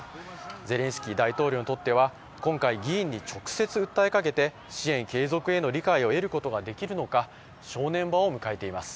ゼレンスキー大統領にとっては今回、議員に直接訴えかけて支援継続への理解を得ることができるのか正念場を迎えています。